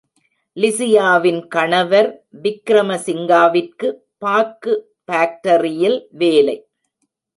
லிஸியாவின் கணவர் விக்ரமசிங்காவிற்கு, பாக்கு பாக்டரியில் வேலை.